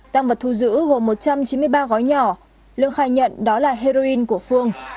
tăng vật thu giữ gồm một trăm chín mươi ba gói nhỏ lượng khai nhận đó là heroin của phương